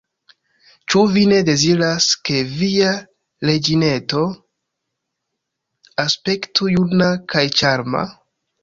Ĉu Vi ne deziras, ke Via reĝineto aspektu juna kaj ĉarma?